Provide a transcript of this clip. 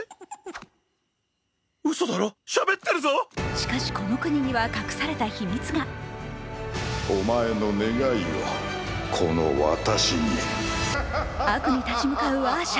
しかしこの国には隠された秘密が悪に立ち向かうアーシャ。